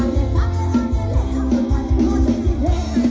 เวลาที่สุดท้าย